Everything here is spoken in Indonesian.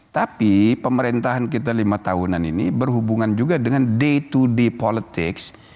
tapi pemerintahan kita lima tahunan ini berhubungan juga dengan day to day politics